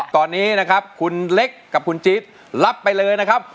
ตอนนี้นะครับคุณเล็กกับคุณจี๊ดรับไปเลยนะครับ